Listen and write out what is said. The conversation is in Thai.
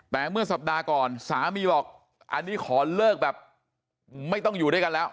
แต่เมื่อสัปดาห์ก่อนสามีบอกอันนี้ขอเลิกแบบไม่ต้องอยู่ด้วยกันแล้ว